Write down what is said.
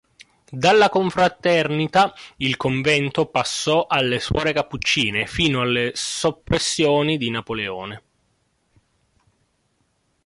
Dalla confraternita il convento passò alle suore Cappuccine fino alle soppressioni di Napoleone.